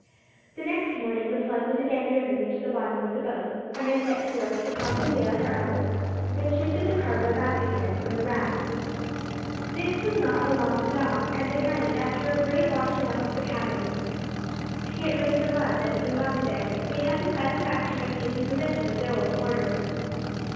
The next morning the plug was again driven into the bottom of the boat, and they set to work to pump and bale her out, and then shifted the cargo back again from the raft. This was not a long job, and at night, after a great washing up of the cabins, to get rid of the mud that had been left there, they had the satisfaction of taking possession of their old quarters.